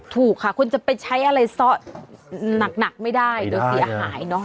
ถูกค่ะคุณจะไปใช้อะไรซะหนักไม่ได้เดี๋ยวเสียหายเนอะ